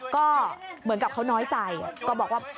ก็เหมือนกับเขาน้อยใจก็บอกว่า